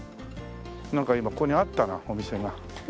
なんか今ここにあったなお店が。